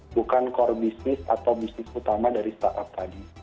bukan core business atau bisnis utama dari startup tadi